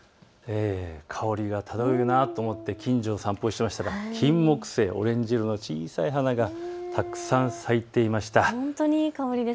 香りが漂うなと思って近所を散歩していたらキンモクセイ、オレンジ色の小さな花が咲いていました。